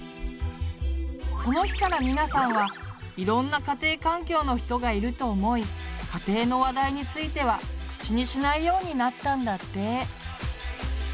その日からミナさんはいろんな家庭環境の人がいると思い「家庭の話題」については口にしないようになったんだって。